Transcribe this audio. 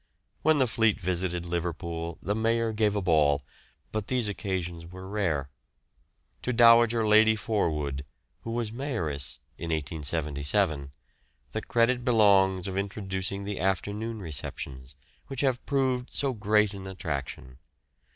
When the fleet visited Liverpool the Mayor gave a ball, but these occasions were rare. To Dowager Lady Forwood, who was Mayoress in 1877, the credit belongs of introducing the afternoon receptions, which have proved so great an attraction.